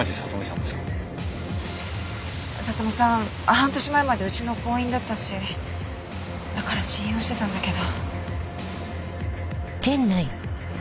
半年前までうちの行員だったしだから信用してたんだけど。